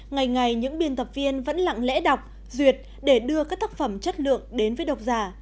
ngày ngày những biên tập viên vẫn lặng lẽ đọc duyệt để đưa các tác phẩm chất lượng đến với độc giả